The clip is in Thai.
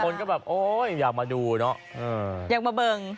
คนก็แบบโอ๊ยอยากมาดูเนอะอยากมาเบิ่ง